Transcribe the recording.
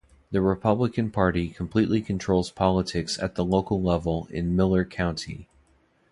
The Republican Party completely controls politics at the local level in Miller County.